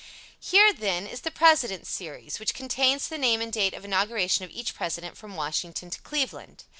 Here, then, is the "President Series," which contains the name and date of inauguration of each President from Washington to Cleveland.